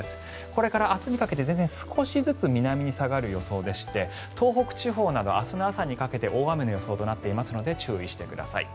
これから明日にかけて少しずつ南に下がる予想となっていまして東北地方など明日の朝にかけて大雨の予想となっていますので注意してください。